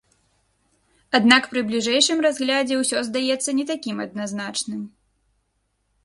Аднак пры бліжэйшым разглядзе ўсё здаецца не такім адназначным.